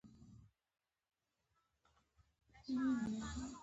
د هغه د کابینې ډېر غړي د پخوا حکومت غړي وو.